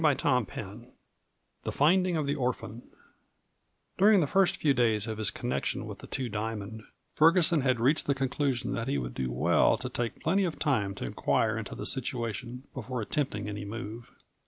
CHAPTER VIII THE FINDING OF THE ORPHAN During the few first days of his connection with the Two Diamond Ferguson had reached the conclusion that he would do well to take plenty of time to inquire into the situation before attempting any move.